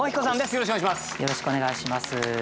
よろしくお願いします。